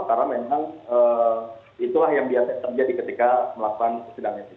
karena memang itulah yang biasa terjadi ketika melakukan sidang etik